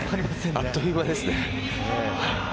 あっという間ですね。